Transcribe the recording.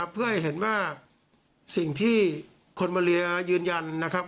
เพื่อให้เห็นว่าสิ่งที่คนมาเลียยืนยันนะครับ